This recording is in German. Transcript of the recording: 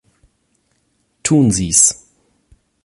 Tun Sie's!